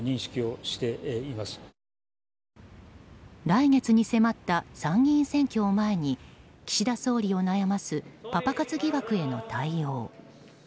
来月に迫った参議院選挙を前に岸田総理を悩ますパパ活疑惑への対応。